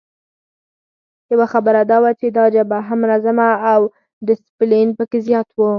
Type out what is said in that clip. یوه خبره دا وه چې دا جبهه منظمه او ډسپلین پکې زیات وو.